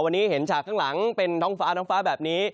วันนี้เห็นฉากข้างหลังเป็นธ้องฟ้าแบบนี้